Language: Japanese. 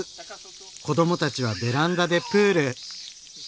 子どもたちはベランダでプール！